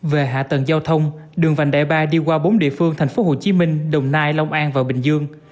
về hạ tầng giao thông đường vành đai ba đi qua bốn địa phương thành phố hồ chí minh đồng nai long an và bình dương